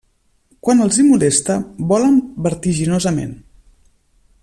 Quan els hi molesta, volen vertiginosament.